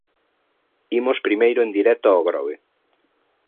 Imos primeiro en directo ao Grove.